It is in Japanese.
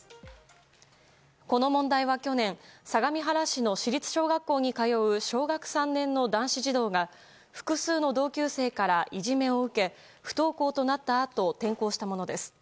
この問題は去年相模原市の市立小学校に通う小学３年の男子児童が複数の同級生からいじめを受け不登校となったあと転校したものです。